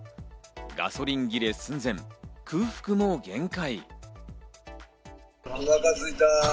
ガソリン切れ寸前、空腹も限界。